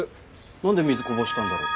なんで水こぼしたんだろう？